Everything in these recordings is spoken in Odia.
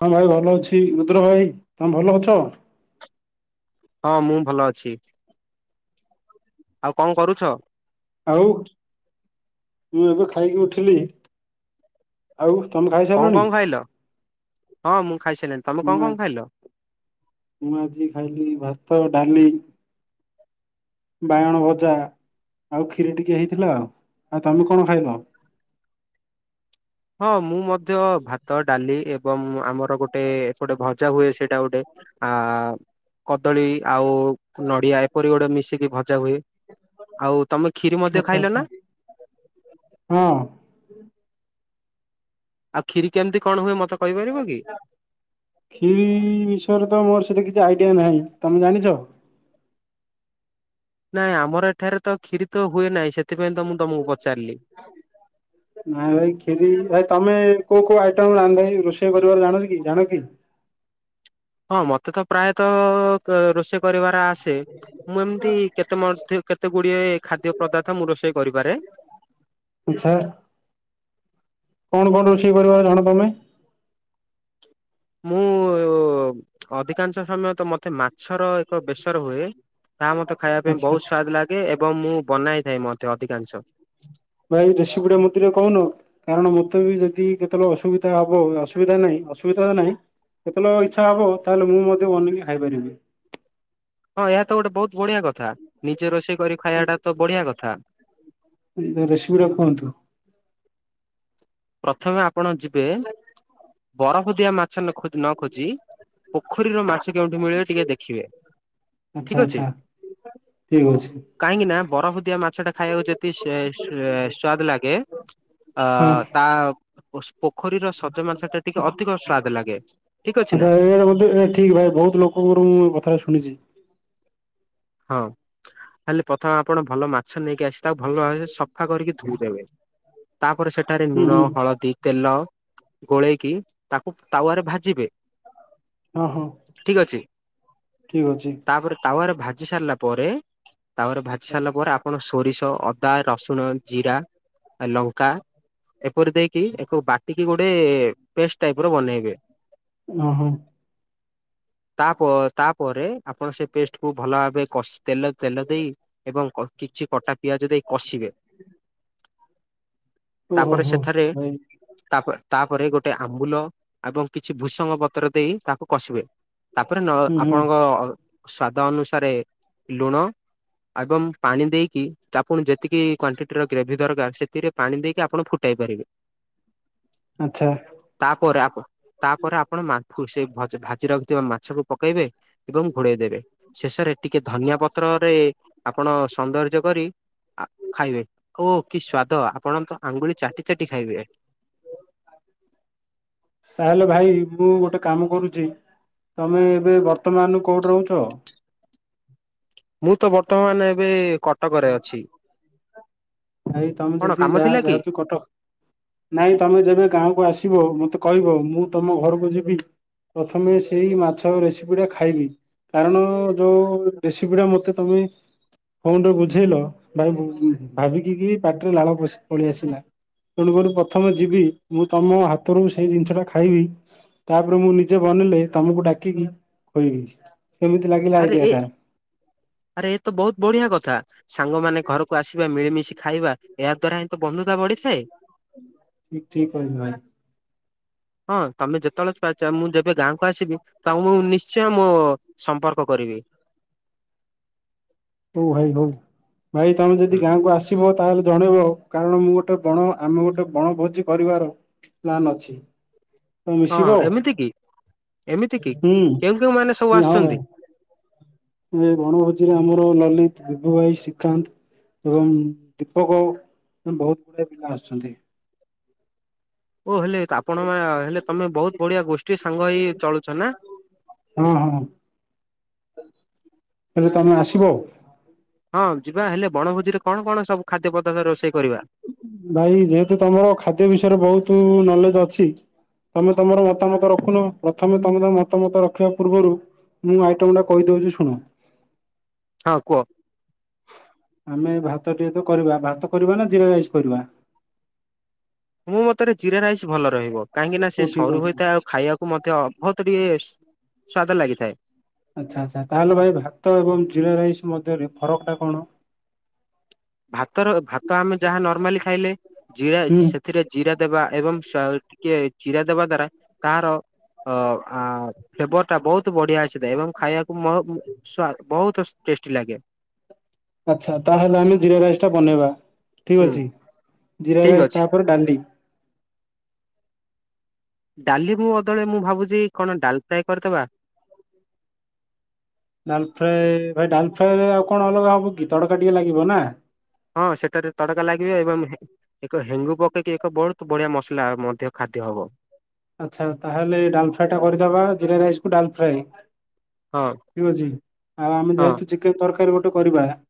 ହଁ ଭାଇ ଭଲ ଅଛି, ରୁଦ୍ର ଭାଇ ତୋମେ ଭଲ ଅଛ? ହଁ ମୁଁ ଭଲ ଅଛି। ଆଉ କଣ କରୁଛ? ଆଉ ମୁଁ ଏବେ ଖାଇକି ଉଠିଲି। ଆଉ ତମେ କଣ ଖାଇସାରିଲଣି କଣ ଖାଇଲ? ହଁ ମୁଁ ଖାଇସାଇଲିଣିି। ତୋମେ କଣ କଣ ଖାଇଲ? ମୁୁଁ ଆଜି ଖାଇଲି ଭାତ, ଡାଲି ବାଇଗଣ ଭଜା ଆଉ ଖିରି ଟିକେ ହେଇଥିଲା ଆଉ। ଆଉ ତୋମେ କଣ ଖାଇଲ? ହଁ ମୁଁ ମଧ୍ୟ ଭାତ ଡାଲି ଏବଂ ଆମର ଗୋଟେ ଏପଟେ ଭଜା ହୁଏ ସେ ଟା ଗୋଟେ ଆ, କଦଳୀ ଆଉ ନଡିଆ ଏପରି ଗୋଟେ ମିଶିକି ଭଜା ହୁଏ। ଆଉ ତୋମେ ଖିରି ମଧ୍ୟ ଆଚ୍ଛା ଖାଇଲ ଆଚ୍ଛା ନା? ହଁ। ଆ, ଖିରି କେମତି କଣ ହୁଏ ମୋତେ ଖିରି ବିଷୟରେ ତ ମୋର ସେ ସେତେ କିଛି ଆଇଡିଆ ନାହିଁ। ତୋମେ ଜାଣିଛ? ନା ଆମର ଏଠାରେ ତ ଖିରି ତ ହୁଏ ନାହିଁ। ସେଥିପାଇଁ ତ ମୁଁ ତୋମକୁ ପ ନାଇଁ ଭାଇ ଖିରି ଭାଇ ତ ତୋମେ କୋଉ କୋଉ ଆଇଟମ ରାନ୍ଧି ରୋଷେଇ କରିବାର ଜାଣନି କି ଜାଣ କି? ହଁ ମୋତେ ତ ପ୍ରାୟତଃ ତ ରୋଷେଇ କରିବା ତା ଆସେ ମୁଁ ଏମିତି କେତେ ମଧ୍ୟ କେତେ ଗୁଡିଏ ଖାଦ୍ୟ ପଦାର୍ଥ ମୁଁ ରୋଷେଇ କରିପାରେ। ଇଚ୍ଛା। କଣ କଣ ରୋଷେଇ କରିବ ଜାଣ ତୋମେ? ମୁଁ ଅଧିକାଂଶ ସମୟ ତ ମୋତେ ମାଛର ଏକ ବେସର ହୁଏ। ତାହା ମୋତେ ଖାଇବା ପାଇଁ ଆଚ୍ଛା ବହୁତ ଆଚ୍ଛା ସ୍ଵାଦ ଲାଗେ। ଏବଂ ମୁଁ ବନାଇଥାଏ ମଧ୍ୟ ଅଧିକାଂଶ। ଭାଇ ରେସିପି ଗୁଡ଼ା ମୋତେ ଯୋଉ କହୁନ କାରଣ ମୋତେ ବି ଯଦି କେତବେଳେ ଅସୁବିଧା ହବ ଅସୁବିଧା ନାହିଁ। ଅସୁବିଧା ତ ନାହିଁ ଯେତେଲ ଇଚ୍ଛା ହବ ତାହେଲେ ମୁଁ ମଧ୍ୟ ବନେଇକି ଖାଇପାରିବି। ହଁ ଏହା ତ ଗୋଟେ ବହୁତ ବଢିଆ କଥା ନିଜେ ରୋଷେଇ କରି ଖାଇଆଟା ତ ବଢିଆ କଥା। ରେ- ରେସିପି ଟା କୁହନ୍ତୁ। ପ୍ରଥମେ ଆପଣ ଯିବେ। ବରଫ ଦିଆ ମାଛ ନ ଖୋଜି ନ ଖୋଜି। ପୋଖରୀର ମାଛ ସେ କେଉଁଠି ମିଳିବ ଟିକେ ଦେଖିବେ। ଆଚ୍ଛା ଠିକ୍ ଅଛି ଆଚ୍ଛା ଠିକ ଅଛି କାହିଁକି ନା ବରଫ ଦିଆ ମାଛଟା ଖାଇବାକୁ ଯେତିକି ସେ ସୁଆଦ ଲାଗେ ଅ, ହଁ ଆଉ ପୋସ୍‌ ପୋଖରୀର ସଜ ମାଛଟା ଟିକେ ଅଧିକ ସ୍ଵାଦ ଲାଗେ। ଠିକ ଅଛି ନା ଆଚ୍ଛା ଏଇରା ବୋଧେ ଏ ଠିକ ଭାଇ ବହୁତ ଲୋକଙ୍କଠୁ ମୁଁ ଏ କଥାଟା ଶୁଣିଛି। ହଁ ହେଲେ ପ୍ରଥମେ ଆପଣ ଭଲ ମାଛ ନେଇକି ଆସ‌ ତାକୁ ଭଲ ଭାବରେ ସଫା କରିକି ଧୋଇଦବେ। ତାପରେ ସେଠାରେ ହୁଁ ଲୁଣ, ହୁଁ ହଳଦୀ, ତେଲ ଗୋଳେଇକି ତାକୁ ତାୱରେ ଭାଜିବେ ହଁ ହଁ ଠିକ ଅଛି। ଠିକ ଅଛି ତାପରେ ତାୱାରେ ଭାଜି ସାରିଲା ପରେ। ତାୱାରେ ଭାଜି ଆଚ୍ଛା ସାରିଲା ପରେ। ଆପଣ ସୁ ସୋରିଷ, ଅଦା, ରସୁଣ, ଜିରା, ଆ ଲଙ୍କା ଏପରି ଦେଇକି ଏକୁ ବାଟିକି ଗୋଟେ ପେଷ୍ଟ ଟାଇପ୍ ର ବନେଇବେ। ନା, ହଁ। ତାପ ତାପରେ ଆପଣ ସେ ପେଷ୍ଟ କୁ ଭଲ ଭାବେ କଷ ତେଲ ତେଲ ଦେଇ ଏବଂ କ କିଛି କଟା ପିଆଜ ଦେଇ କଷିବେ। ଓହୋ ତାପରେ ହୋ ସେଠାରେ ଭାଇ ତାପ ତାପରେ ଗୋଟେ ଆମ୍ବୁଲ ଆବଂ କିଛି ଭୂଷଙ୍ଗ ପତ୍ର ଦେଇ ତାକୁ କଷିବେ। ତାପରେ ନ ହୁଁ ହୁଁ ଆପଣଙ୍କ ଅ, ସ୍ଵାଦ ଅନୁସାରେ ଲୁଣ ଆଗ ମୁଁ ପାଣି ଦେଇକି ତା ପୁଣି ଯେତିକି କ୍ଵାଣ୍ଟିଟିର ଗ୍ରେଭି ଦରକାର ସେଥିରେ ପାଣି ଦେଇକି ଆପଣ ଫୁଟେ ଦେଇପାରିବେ। ଆଚ୍ଛା ତାପରେ ଆପ ତାପରେ ଆପଣ ମା [unintelligible] ଭାଜି ରଖିଥିବା ମାଛକୁ ପକେଇବେ ଏବଂ ଘୋଡ଼େଇ ଦେବେ। ଶେଷରେ ଟିକେ ଧନିଆ ପତ୍ରରେ ଆପଣ ସୌନ୍ଦର୍ଯ୍ୟ କରି ଆ ଖାଇବେ ଓ କି ସ୍ଵାଦ ଆପଣ ତ ଆଙ୍ଗୁଳି ଚାଟି ଚାଟି ଖାଇବେ। ତାହେଲେ ଭାଇ ମୁଁ ଗୋଟେ କାମ କରୁଚି। ତମେ ଏବେ ବର୍ତ୍ତମାନ କୋଉଠି ରହୁଛ? ମୁଁ ତ ବର୍ତ୍ତମାନ ଏବେ କଟକରେ ରହୁଛ? ଅଛି। ଭାଇ ତମେ କଣ ଯଦି କାମ ଥିଲା କି? ଯାହା [unintelligible] କଟକ ନାଇଁ ତମେ ଯେବେ ଗାଁକୁ ଆସ [unintelligible] ମତେ କହିବ ମୁଁ ତମ ଘରକୁ ଯିବି। ପ୍ରଥମେ ସେଇ ମାଛର ରେସିପି ଟା ଖାଇବି। କାରଣ ଯୋଉ ରେସିପି ଟା ମତେ ତମେ ଫୋନରେ ବୁ ବୁଝେଇଲ ଭାଇ ଭାବିକି କି ପାଟିରୁ ଲାଳ ପ ପଳେଇ ଆସିଲା। ତେଣୁକରି ପ୍ରଥମେ ଯିବି ମୁଁ ତମ ହାତରୁ ସେଇ ଜିନିଷ ଟା ଖାଇବି ତାପରେ ମୁଁ ନିଜେ ବ ବନେଇଲେ ତମକୁ ଡାକିକି ଖୋଇବି। କେମିତି ଲାଗିଲା ଆରେ ଆଇଡିଆ ଏ ଟା ଆରେ ଏତ ବହୁତ୍ ବଢ଼ିଆ କଥା। ସାଙ୍ଗମାନେ ଘରକୁ ଆସିବେ ମିଳିମିଶି ଖାଇବା ଏହା ଦ୍ଵାରା ହିଁ ତ ବନ୍ଧୁତା ବଢ଼ିଥାଏ। ଠିକ୍ କିହିଲ ଭାଇ। ହଁ ତମେ ଯେତେବେଳେ ପା ମୁଁ ଯେବେ ଗାଁକୁ ଆସିବି ତମକୁ ମୁଁ ନିଶ୍ଚ [unintelligible] ମୁଁ ସଂପର୍କ କରିବି। ହଉ ଭାଇ ହଉ ଭାଇ ତମେ ଯଦି ହୁଁ ଗାଁକୁ ଆସିବ ତାହେଲେ ଜଣେଇବ ଆଉ। କାରଣ ମୁଁ ଗୋଟେ ବଣ ଆମେ ଗୋଟେ ବଣ ଭୋଜି କରିବାର ପ୍ଲାନ୍ ଅଛି। ତମେ ହଁ ମିଶିବ ଏମିତି କି ଏମିତି କି ହୁଁ କେଉଁ କେଉଁ ମାନେ ସବୁ ହଁ ଭାଇ। ଆସୁଛନ୍ତି? ଏ ବଣଭୋଜିରେ ଆମର ଲଲିତ, ବିଭୁ ଭାଇ, ଶ୍ରୀକାନ୍ତ ଏବଂ ଦୀପକ ଆଉ ବହୁତ୍ ଗୁଡ଼ାଏ ପିଲା ଆସୁଛନ୍ତି। ଓ ହେଲେ ଆପଣ ହେଲେ ତମେ ବହୁତ୍ ବଢିଆ ଗୋଷ୍ଠୀ ସାଙ୍ଗ ହେଇ ଚଳୁଚ ନା? ହଁ ହଁ ହେଲେ ତମେ ଆସିବ ଆଉ। ହଁ ଯିବା ହେଲେ ବଣଭୋଜିରେ କଣ କଣ ସବୁ ଖାଦ୍ୟ ପଦାର୍ଥ ରୋଷେଇ କରିବା? ଭାଇ ଯେହେତୁ ତମର ଖାଦ୍ୟ ବିଷୟରେ ବହୁତ ନଲେଜ୍ ଅଛି ତମେ ତମର ମ ମତାମତ ରଖୁନ ପ୍ରଥମେ ତମର ମତାମତ ରଖିବା ପୂର୍ବରୁ ମୁଁ ଆଇଟମ୍ ଟା କହିଦେଉଚି ଶୁଣ। ହଁ କୁହ? ଆମେ ଭାତ ଟିକେ ତ କରିବା ଭାତ କରିବା ନା ଜିରା ରାଇସ୍‌ କରିବା? ମୋ ମତରେ ଜିରା ରାଇସ୍ ଭଲ ରହିବ। କାହିଁକି ନା ହଉ ସେ ଠିକ ସରୁ ଅଛି। ହୋଇଥାଏ ଆଉ ଖାଇବାକୁ ମଧ୍ୟ ବହୁତ୍ ଟିକେ ସ୍ଵାଦ ଲାଗିଥାଏ। ଆଚ୍ଛା ଆଚ୍ଛା ତାହେଲେ ଭାଇ ଭାତ ଏବଂ ଜିରା ରାଇସ୍ ମଧ୍ୟରେ ଫରକ ଟା କଣ? ଭାତ ର ଭାତ ଆମେ ଯାହା ନର୍ମାଲି ଖାଇଲେ ଜିରା ହୁଁ ସେଥିରେ ଜିରା ଦେବା ଏବଂ ସ୍ୱା ଟିକେ ଜିରା ଦେବା ଦ୍ଵାରା ତାର ତ ଆ ଫେବର୍ ଟା ବହୁତ୍ ବଢିଆ ଆସିଥାଏ ଏବଂ ଖାଇଆକୁ ମ ସ୍ଵାଦ୍ ବହୁତ୍ ଟେଷ୍ଟି ଲାଗେ। ଆଚ୍ଛା ତାହେଲେ ଆମେ ଜିରା ରାଇସ୍ ଟା ବନେଇବା ଠିକ୍ ହୁଁ ଅଛି। ଜିରା ଠିକ ରାଇସ୍‌ ଅଛି ତା ପରେ ଡ଼ାଲି। ଡ଼ାଲି ମୁଁ ବଦଳେ ମୁଁ ଭାବୁଛି କଣ ଡାଲ୍ ଫ୍ରାଏ କରିଦେବା। ଡାଲ୍ ଫ୍ରାଏ ଭାଇ ଡାଲ୍ ଫ୍ରାଏରେ ଆଉ କଣ ଅଲଗା ହବ କି ତଡ଼କା ଟିକେ ଲାଗିବ ନା? ହଁ ସେଠାରେ ତଡ଼କା ଲାଗିବେ ଏବଂ ଏକ ହେଙ୍ଗୁ ପକେଇକି ଏକ ବହୁତ୍ ବଢ଼ିଆ ମସଲା ମଧ୍ୟ ଖାଦ୍ୟ ହବ‌। ଆଚ୍ଛା ତାହେଲେ ଡାଲ୍ ଫ୍ରାଏ ଟା କରିଦବା ଜିରା ରାଇସ୍‌ କୁ ଡାଲ୍ ଫ୍ରାଏ। ହଁ ଠିକ୍ ଅଛି ଆଉ ଆମେ ହଁ ଯେହେତୁ ଚିକେନ୍ ତରକାରୀ ଗୋଟେ କରିବା। [unintelligible]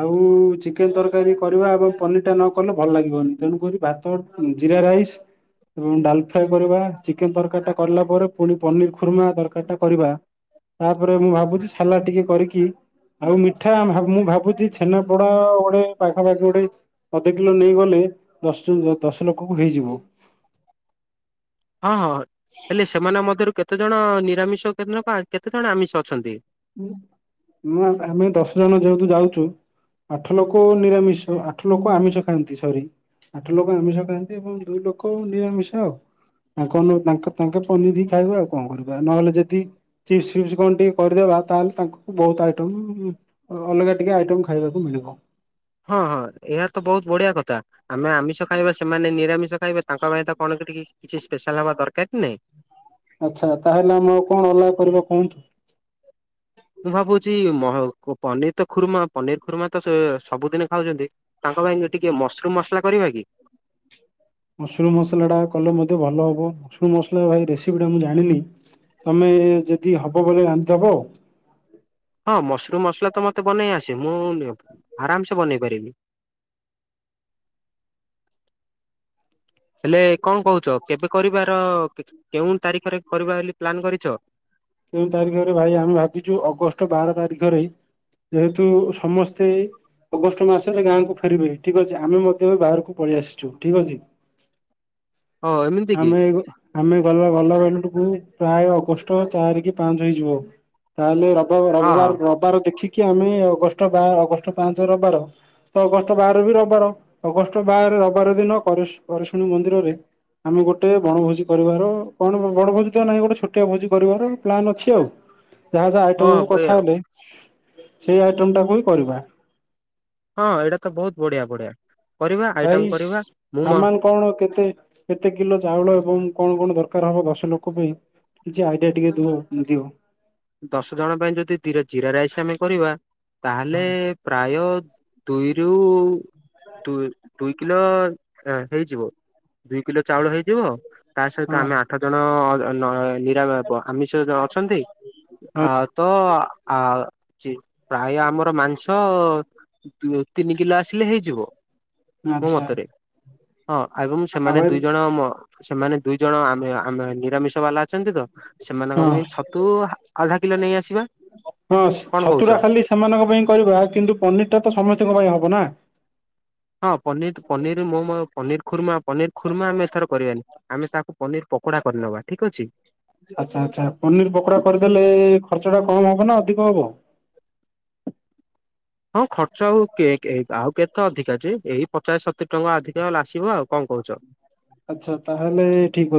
ଆଉ ଚିକେନ ତରକାରୀ କରିବା ଏବଂ ପନିର ଟା ନ କଲେ ଭଲ ଲାଗିବନି ତେଣୁକରି ଭାତ ଉ ଜିମ ଜିରା ରାଇସ୍ ଏବଂ ଡାଲ ଫ୍ରାଏ କରିବା ଚିକେନ ତରକାରୀ ଟା କରିଲା ପରେ ପୁଣି ପନିର ଖୁର୍ମା ତରକାରୀ ଟା କରିବା। ତାପରେ ମୁଁ ଭାବୁଛି ସାଲାଟ୍ ଟିକେ କରିକି ଆଉ ମିଠା ଭା ମୁଁ ଭାବୁଛି ଛେନା ପୋଡ ଆ ଗୋଟେ ପାଖାପାଖି ଗୋଟେ ଅଧେ କିଲୋ ନେଇ ଗଲେ ଦଶ ଦଶ ଲୋକ କୁ ହେଇଯିବ। ହଁ ହଁ ହେଲେ ସେମାନଙ୍କ ମଧ୍ୟରୁ କେତେ ଜଣ ନିରାମିଷ କେତେ ଜଣ ଆମିଷ ଅଛନ୍ତି? ଉ ମୁଁ ଆମେ ଦଶ ଜଣ ଯେହେତୁ ଯାଉଛୁ ଆଠ ଲୋକ ନିରାମିଷ ଆଠ, ଲୋକ ଆମିଷ ଖାଆନ୍ତି ସରି। ଆଠ ଲୋକ ଆମିଷ ଖାଆନ୍ତି ଏବଂ ଦୁଇ ଲୋକ ନିରାମିଷ ଆଉ। ତାଙ୍କ ନୁ ତାଙ୍କେ ପନିର ବି ଖାଇବେ ଆଉ କଣ କରିବା ନହେଲେ ଯଦି ଚିପସ୍‌ ଫିସ୍‌କଣ ଟିକେ କରିଦେବା? ତାହେଲେ ତାଙ୍କୁ ବହୁତ ଆଇଟମ୍ ଅଲଗା ଟିକେ ଆଇଟମ୍ ଖାଇବାକୁ ମିଳିବ। ହଁ ହଁ ଏହା ତ ବହୁତ ବଢିଆ କଥା। ଆମେ ଆମିଷ ଖାଇବା ସେମାନେ ନିରାମିଷ ଖାଇବେ ତାଙ୍କ ପାଇଁ ତ କଣ ଟିକେ କିଛି ସ୍ପେଶାଲ୍ ହବା ଦରକାର କି ନାଇ? ଆଚ୍ଛା ତାହେଲେ ଆମେ ଆଉ କଣ ଅଲଗା କରିବା କୁହନ୍ତୁ? ମୁଁ ଭାବୁଛି ମହ ପନିର ତ ଖୁରୁମା, ପନିର ଖୁରୁମା ସ ସବୁଦିନ ଖାଉଛନ୍ତି ତାଙ୍କ ହଁ ଭାଇନା ଟିକେ ମସରୁମ୍‌ମସଲା କରିବା କି? ହଁ ମସୁରୁମ୍‌ମସଲା ଟା କଲେ ମଧ୍ୟ ଭଲ ହେବ ମସୁରୁମ୍ ମସଲା ଭାଇ ରେସିପି ଟା ମୁଁ ଜାଣିନି। ତମେ ଯଦି ହବ ବୋଲେ ରାନ୍ଧି ଦେବ? ହଁ ମସରୁମ୍ ମସ୍‌ଲା ତ ମତେ ବନେଇ ଆସେ। ମୁଁ ଆରାମ୍‌ସେ ବନେଇ ପାରିବି। ହେଲେ କଣ କହୁଛ କେବେ କରିବାର କିଛି କେଉଁ ତାରିଖରେ କରିବା ବୋଲି ପ୍ଲାନ୍ କରିଛ? କେଉଁ ତାରିଖରେ ଭାଇ ଆମେ ଭାବିଛୁ ଅଗଷ୍ଟ ବାର ତାରିଖରେ ଯେହେତୁ ସମସ୍ତେ ଅଗଷ୍ଟ ମାସ ହେଲେ ଗାଁ କୁ ଫେରିବି ଠିକ୍ ଅଛି ଆମେ ମଧ୍ୟ ବାହାରକୁ ପଳେଇ ଆସିଛୁ ଠିକ୍ ଅଛି। ଓ ଏମିତି କି ଆମେ ଗ ଆମେ ଗଲେ [unintelligible] ଘରକୁ ପ୍ରାୟ ଅଗଷ୍ଟ ଚାରି କି ପାଞ୍ଚ ହେଇଯିବ ତାହେଲେ ରବି ହଁ ରବିବା ହଁ ରବିବାର ଦେଖିକି କି ଆମେ ଅଗଷ୍ଟ ବା ଅଗଷ୍ଟ ପାଞ୍ଚ ରବିବାର। ତ ଅଗଷ୍ଟ ବାର ବି ରବିବାର ଅଗଷ୍ଟ ବାର ରବିବାର ଦିନ କରିଶୁ କରିଶୁନି ମନ୍ଦିରରେ ଆମେ ଗୋଟେ ବଣଭୋଜି କରିବାର କଣ ମୋ ବଣଭୋଜି ତ ନାହିଁ ଗୋଟେ ଛୋଟ ଭୋଜି କରିବାର ପ୍ଳାନ୍ ଅଛି ଆଉ ଯାହା ଯାହା ଆଇଟମ‌ ହଁ ଏ କଥା ହେଲେ ସେଇ ଆଇଟମ୍‌ଟାକୁ ହିଁ କରିବା। ହଁ ଏଇଟା ତ ବହୁତ ବଢ଼ିଆ ବଢ଼ିଆ। ଭାଇ ସ୍ ସାମାନ୍‌ କଣ କେତେ କେତେ କିଲୋ ଚାଉଳ ଏବଂ କଣ କଣ ଦରକାର ହବ ଦଶ ଲୋକ ପାଇଁ କିଛି ଆଇଡିଆ ଟିକେ ଦିଅ ଦିଅ? ଦଶ ଜଣ ପାଇଁ ଯଦି ଜି ଜିରା ରାଇସ୍ ଆମେ କରିବା ତା ହଁ ହେଲେ ପ୍ରାୟ ଦୁଇ ରୁ ଦୁଇ, ଦୁଇ କିଲୋ ହେ ହେଇଯିବ ଦୁଇ କିଲୋ ଚାଉଳ ହୋଇଯିବ। ତା ହଁ ସହିତ ଆମେ ଆଠ ଜଣ ନ ନିରା ଆମିଷ ଜ ଅଛନ୍ତି? ହଁ ଆ ତ ଆ ପ୍ରାୟ ଯି ଆମର ମାଂସ ତକ ତିନି କିଲୋ ଆସିଲେ ହେଇଯିବ? ମୋ ଆଚ୍ଛା। ମତରେ। ହଁ ଆବଂ ଆଉ ସେମାନେ ଭାଇ ଦୁଇ ଜଣ ମ ସେମାନେ ଦୁଇ ଜଣ ଆମେ ଆମେ ନିରାମିଷ ବାଲା ଅଛନ୍ତି ତ। ହଁ ସେମାନଙ୍କ ପାଇଁ ଛତୁ ଆଧା କିଲୋ ନେଇ ଆସିବା। ହଁ କଣ କହୁଛ? ଛତୁଟା ଖାଲି ସେମାନଙ୍କ ପାଇଁ କରିବା କିନ୍ତୁ ପନିର ଟା ତ ସମସ୍ତଙ୍କ ପାଇଁ ହବ ନା। ହଁ ପନିର୍ ପନିର ମୋମୋ ପନିର ଖୁର୍ମା ପନିର ଖୁର୍ମା ଆମେ ଏଥର କରିବାନି। ଆମେ ତାକୁ ପନିର ପକୋଡା କରି ନେବା ଠିକ୍ ଅଛି। ଆଚ୍ଛା ଆଚ୍ଛା କମ୍ ହବ ନା ଅଧିକ ହବ? ହଁ ଖର୍ଚ୍ଚ ଆଉ କେ କେ ଆଉ କେତେ ଅଧିକା ଯେ ଏଇ ପଚାଶ ସତୁରି ଟଙ୍କା ଅଧିକା ହେଲେ ଆସିବ ଆଉ କଣ କହୁଛ? ଆଚ୍ଛା ତାହେଲେ ଠିକ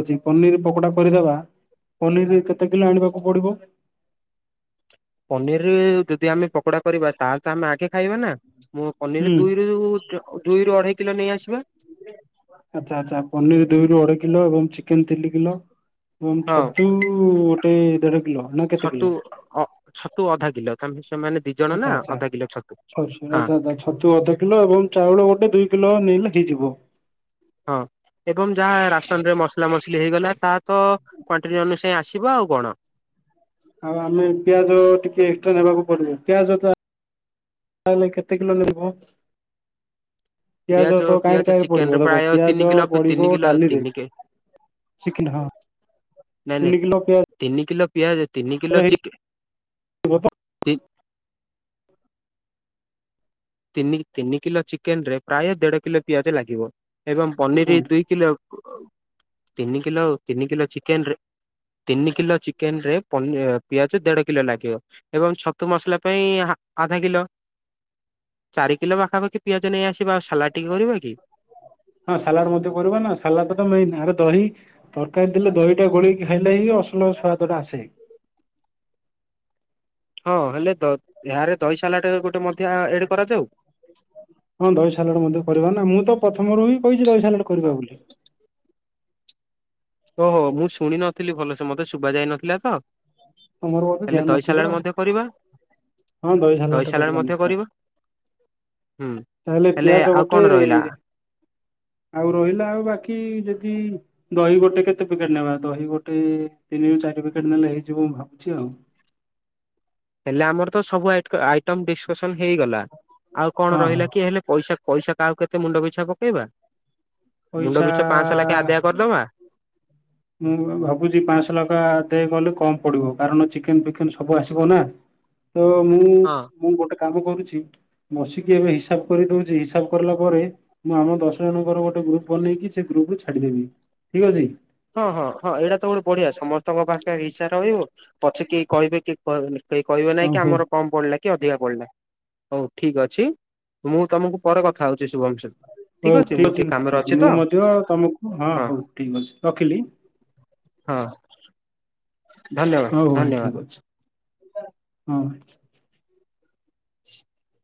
ପନିରି କେତେ କିଲେ ଆଣିବାକୁ ପଡିବ? ପନିରି ଯଦି ଆମେ ପକୋଡା କରିବା ତାହେଲେ ତ ଆମେ ଆଗେ ଖାଇବା ନା ମୁଁ ପନିରି ହୁଁ ଦୁଇରୁ ଜ ଦୁଇରୁ ଅଢେଇ କିଲୋ ନେଇ ଆସିବା। ଆଚ୍ଛା ଆଚ୍ଛା ପନିରି ଦୁଇରୁ ଅଢେଇ କିଲୋ ଏବଂ ଚିକେନ ତିନି କିଲୋ। ଏବଂ ହଁ ଛତୁ ଗୋଟେ ଦେଢ କିଲୋ ନା କେତେ କିଲୋ? ତୁ ଅଧା କିଲୋ [unintelligible] ଦି ଜଣ ନା ଅଧା କିଲୋ ଛ ଛ [unintelligible] ଛତୁ ଅଧ କିଲୋ ଏବଂ ଚାଉଳ ଗୋଟେ ଦୁଇ କିଲୋ ନେଇଲେ ହେଇଯିବ। ହଁ ଏବଂ ଯାହା ରାସନ ରେ ମସଲା ମସ [unintelligible] ହେଇଗଲା ତାର ତ କ୍ବାଣ୍ଟିଟ୍ ଅନୁସାରେ ଆସିବ ଆଉ କଣ। ଆଉ ଆମେ ପିଆଜ ଟିକେ ଏକ୍ସଟ୍ରା ନେବାକୁ ପଡିବ ପିଆଜ ତା ତାହେଲେ କେତେ କିଲୋ ମିଳିବ? ପିଆଜ ତ କାହିଁରେ ପିଆଜ କାହିଁରେ ଚିକେନ ରେ ପଡିବ ଦେଖ ପ୍ରାୟ ତିନି ପିଆଜ କିଲୋ ତିନି ପଡିବ କିଲୋ ଡାଲିରେ। ତିନି କେ ଚିକେନ ହଁ ନାଇଁ ନାଇଁ ତିନି କିଲୋ ପିଆ ତିନି କିଲୋ ପିଆଜ ତିନି କିଲୋ ଚିକେ ହେଇଯିବ ତ ତି ତିନି ତିନି କିଲୋ ଚିକେନରେ ପ୍ରାୟେ ଦେଢ କିଲୋ ପିଆଜ ଲାଗିବ। ଏବଂ ପନିରି ଦୁଇ କିଲୋ। ତିନି କିଲୋ ତିନି କିଲୋ ଚିକେନରେ ତିନି କିଲୋ ଚିକେନ ରେ ପନି ଏ ପିଆଜ ଦେଢ କିଲୋ ଲାଗିବ ଏବଂ ଛତୁ ମସଲା ପାଇଁ ହା ଆଧା କିଲୋ। [inaudible] ଚାରି କିଲୋ ପାଖପାଖି ପିଆଜ ନେଇ ଆସି [inaudible] ହଁ ସାଲାଡ ମଧ୍ୟ କରିବା ନା ସାଲାଡ ତ ମେଇନ ଆଗ ଦହି ତରକାରୀ ଦେଲେ ଦହିଟା ଗୋଳେଇକି ଖାଇଲେ ହିଁ ଅସୁ ପୁଲାଉ ସୁଆଦଟା ଆସେ। ହଁ ହେଲେ ଦ ଏହାରେ ଦହି ସାଲାଡ ଗୋଟେ ମଧ୍ୟ ଆଡ଼ କରାଯାଉ। ହଁ ଦହି ସାଲଡ ମଧ୍ୟ କରିବା ନା ମୁଁ ତ ପ୍ରଥମରୁ ହିଁ କହିଛି ଦହି ସାଲାଡ କରିବା ବୋଲି। [inaudible] ଓହୋ ମୁଁ ଶୁଣି ନଥିଲି ଭଲସେ ମତେ ଶୁଭାଯାଇ ନଥିଲା ତ। ତମର ବୋଧେ ଧ୍ୟାନ ହେଲେ ଦହି ନଥିବ ସାଲାଡ ଆଉ ମଧ୍ୟ କରିବା। ହଁ ସାଲାଡ ଦହି ଟା ସାଲାଡ଼ କରିବା ମଧ୍ୟ ନିଶ୍ଚୟ କରିବ। ହୁଁ। ତାହେଲେ ହେଲେ ପିଆଜ ଆଉ ଗୋଟେ କଣ ରହିଲା? ଆଉ ରହିଲା ଆଉ ବାକି ଯଦି [unintelligible] ଦହି ଗୋଟେ କେତେ ପ୍ୟାକେଟ୍ ନେବା ଦହି ଗୋଟେ ତିନିରୁ ଚାରି ପ୍ୟାକେଟ୍ ନେଲେ ହେଇଯିବ ମୁଁ ଭାବୁଛି ଆଉ। [inaudible] ହେଲେ ଆମର ତ ସବୁ ଆଇଟ୍କ ଆଇଟମ ଡିସ୍କସନ୍ ହେଇଗଲା। ଆଉ କଣ ହଁ ହଁ ରହିଲା କି ହେଲେ ପଇସା ପଇସା କାହାକୁ କେତେ ମୁଣ୍ଡ ପିଛା ପକେଇବା? ମୁଣ୍ଡ ପଇସା ପିଛା ପାଂଶହ ଲେଖାଏ ଆଦାୟ କରିଦବା। ମୁଁ ଉ ଭାବୁଛି ପାଂଶହ ଲକା ଆଦାୟ କଲେ କମ ପଡିବ କାରଣ ଚିକେନ ଫିକେନ ସବୁ ଆସିବ ନା। ତ ମୁଁ ହଁ। ମୁଁ ଗୋଟେ କାମ କରୁଛି ବସିକି ଏବେ ହିସାବ କରିଦଉଛି ହିସାବ କରିଲା ପରେ ମୁଁ ଆମ ଦଶ ଜଣଙ୍କର ଗୋଟେ ଗ୍ରୁପ ବନେଇକି ସେ ଗ୍ରୁପ କୁ ଛାଡିଦେବି ଠିକ୍ ଅଛି? ହଁ ହଁ ହଁ ଏଇଟା ତ ଗୋଟେ ବଢିଆ ସମସ୍ତଙ୍କ ପାଖରେ ହିସା ରହିବ ପଛେ କିଏ କହିବେ କିଏ କହିବେନି। କେହି କହିବେ ଓ ନାଇଁ କି ହଉ ଆମର କମ୍ ପଡିଲା। କି ଅଧିକା ପଡ଼ିଲା। ହଉ ଠିକ୍ ଅଛି। ମୁଁ ତମକୁ ପରେ କଥା ହଉଛି ଶୁଭାଂଶୁ। ହଉ ଠିକ୍ ଅଛି ମୁଁ [unintelligible] ମୁଁ ମଧ୍ୟ ତମୁକୁ ହଁ ହଉ ଠିକ୍ ଅଛି ରଖିଲି। ହଁ। ଧନ୍ୟବାଦ ହଉ ଭାଇ ଧନ୍ୟବାଦ। ଠିକ୍ ଅଛି। ହଁ ଭାଇ। [inaudible]